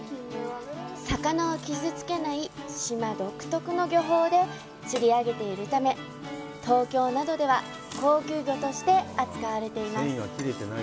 魚を傷つけない島独特の漁法で釣り上げているため東京などでは高級魚として扱われています。